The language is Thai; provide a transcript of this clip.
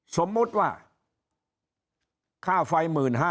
สมมุติว่าค่าไฟ๑๕๐๐